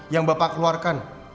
yang bapak keluarkan